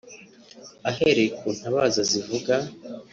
Ahereye ku ntabaza zivuga